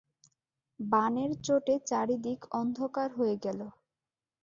বাণের চোটে চারিদিক অন্ধকার হয়ে গেল!